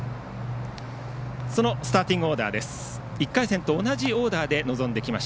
そのスターティングオーダーです。